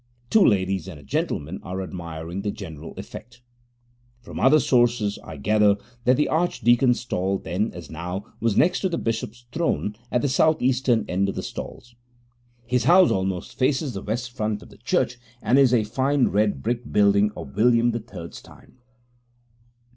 Two ladies and a gentleman are admiring the general effect. From other sources I gather that the archdeacon's stall then, as now, was next to the bishop's throne at the south eastern end of the stalls. His house almost faces the west front of the church, and is a fine red brick building of William the Third's time.